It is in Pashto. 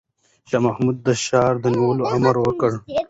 شاه محمود د ښار د نیولو امر وکړ.